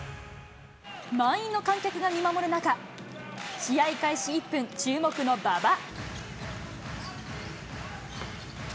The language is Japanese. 満員の観客が見守る中、試合開始１分、注目の馬場。